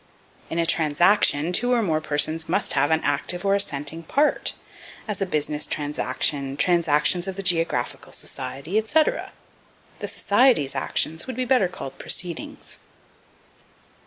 In a transaction two or more persons must have an active or assenting part; as, a business transaction, Transactions of the Geographical Society, etc. The Society's action would be better called Proceedings.